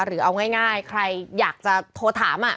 หรือเอาง่ายใครอยากจะโทรถาม